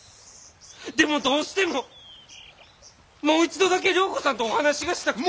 でもどうしてももう一度だけ良子さんとお話がしたくて。